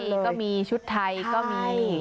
สบายก็มีชุดไทยก็มี